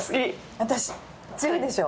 私強いでしょ？